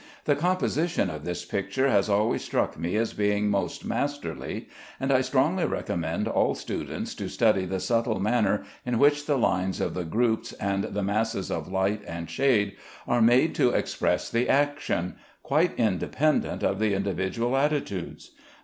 The composition of this picture has always struck me as being most masterly, and I strongly recommend all students to study the subtle manner in which the lines of the groups and the masses of light and shade are made to express the action, quite independent of the individual attitudes.